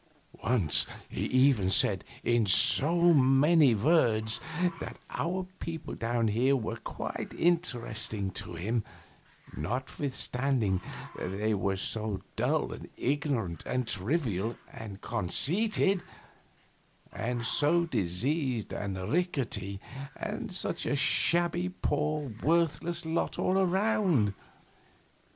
Once he even said, in so many words, that our people down here were quite interesting to him, notwithstanding they were so dull and ignorant and trivial and conceited, and so diseased and rickety, and such a shabby, poor, worthless lot all around.